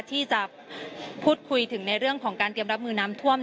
ที่จะพูดคุยถึงในเรื่องของการเตรียมรับมือน้ำท่วม